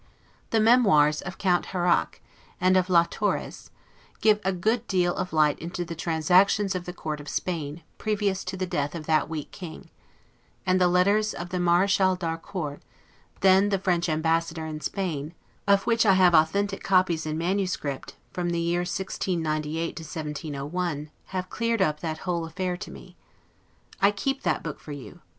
The Memoirs of Count Harrach, and of Las Torres, give a good deal of light into the transactions of the Court of Spain, previous to the death of that weak King; and the Letters of the Marachal d'Harcourt, then the French Ambassador in Spain, of which I have authentic copies in manuscript, from the year 1698 to 1701, have cleared up that whole affair to me. I keep that book for you.